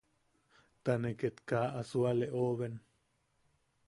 Ta ne ket kaa a suale oben.